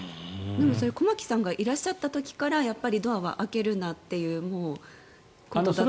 でもそれ駒木さんがいらっしゃった時からやっぱりドアは開けるなということだった。